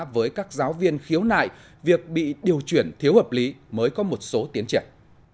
với các giáo viên khiếu nại việc bị điều chuyển thiếu hợp lý mới có một số tiến triển